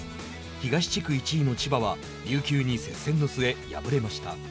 東地区１位の千葉は琉球に接戦の末敗れました。